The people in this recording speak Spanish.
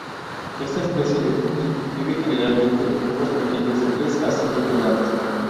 Esta especie de tití vive generalmente en grupos pequeños de tres a cinco integrantes.